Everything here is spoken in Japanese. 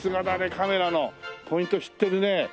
カメラのポイント知ってるね。